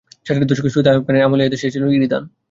ষাটের দশকের শুরুতে আইয়ুব খানের আমলে এ দেশে এসেছিল ইরি ধান।